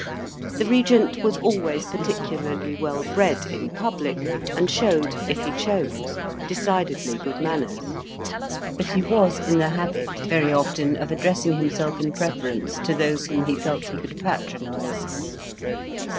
The Regent was always particularly well bred in public, and showed, if he chose, decidedly good manners; but he was in the habit very often of addressing himself in preference to those whom he felt he could patronise.